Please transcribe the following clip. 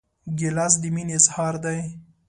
ګیلاس د مینې اظهار دی.